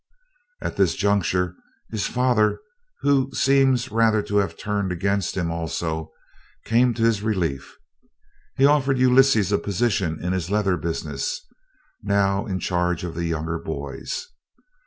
At this juncture his father, who seems rather to have turned against him also, came to his relief. He offered Ulysses a position in his leather business, now in charge of the younger boys.